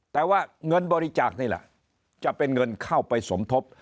แต่ว่าเงินบริจาคนี่แหละจะเป็นเงินเข้าไปสมทบ